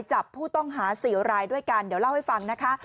จับผู้ต้องหา๔รายด้วยกันเดี๋ยวเล่าให้ฟังนะคะ